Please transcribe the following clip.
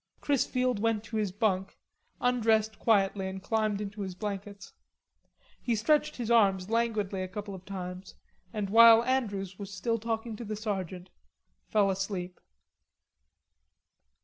Chrisfield went to his bunk, undressed quietly and climbed into his blankets. He stretched his arms languidly a couple of times, and while Andrews was still talking to the sergeant, fell asleep.